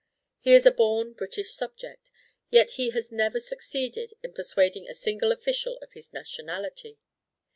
He is a born British subject, yet he has never succeeded in persuading a single official of his nationality.